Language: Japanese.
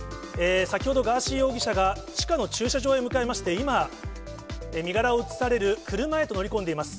先ほど、ガーシー容疑者が地下の駐車場へ向かいまして、今、身柄を移される車へと乗り込んでいます。